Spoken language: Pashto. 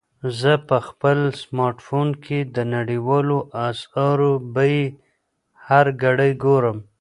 زه په خپل سمارټ فون کې د نړیوالو اسعارو بیې هره ګړۍ ګورم.